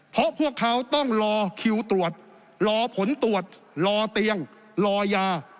เพราะพวกเขาต้องรอคิวตรวจรอผลตรวจรอเตียงรอยา